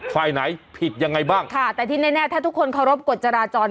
ฝ่ายไหนผิดยังไงบ้างค่ะแต่ที่แน่ถ้าทุกคนเคารพกฎจราจร